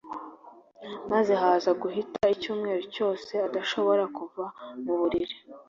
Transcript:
maze haza guhita icyumweru cyose adashobora kuva mu buriri